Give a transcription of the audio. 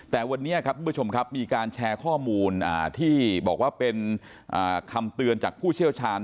แต่วันนี้ครับทุกผู้ชมครับมีการแชร์ข้อมูลที่บอกว่าเป็นคำเตือนจากผู้เชี่ยวชาญ